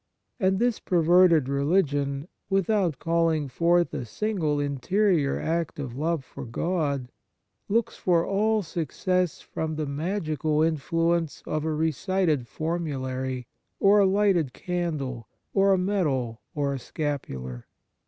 And this perverted religion, without calling forth a single interior act of love for God, looks for all suc cess from the magical influence of a recited formulary, or a lighted candle, or a medal or a scapular.